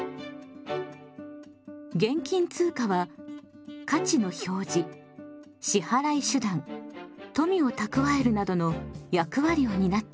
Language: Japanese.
現金通貨は価値の表示支払い手段富を蓄えるなどの役割を担っています。